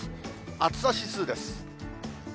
暑さ指数です。